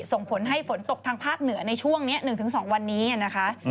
ส่งผลให้ฝนตกทางภาคเหนือในช่วงนี้๑๒วันนี้นะคะ